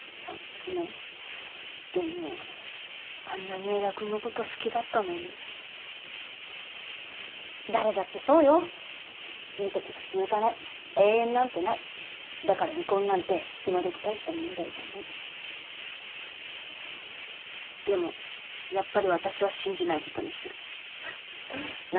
ごめんでもあんなに江田君のこと好きだったのに誰だってそうよいいときは続かない永遠なんてないだから離婚なんて今どき大した問題じゃないでもやっぱり私は信じないことにする何？